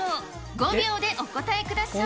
５秒でお答えください。